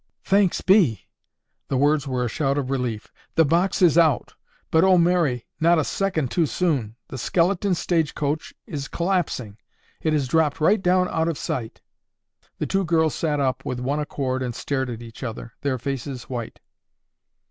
"Thanks be!" The words were a shout of relief. "The box is out, but oh, Mary! Not a second too soon! The skeleton stage coach is collapsing! It has dropped right down out of sight." The two girls sat up with one accord and stared at each other, their faces white.